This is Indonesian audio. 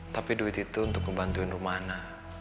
tapi duit itu untuk ngebantuin rumah ana